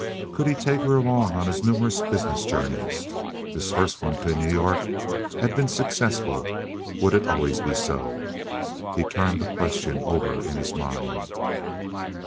Could he take her along on his numerous business journeys? This first one to New York had been successful. Would it always be so? He turned the question over in his mind.